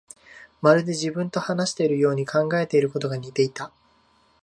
まるで自分と話しているように、考えていることが似ていた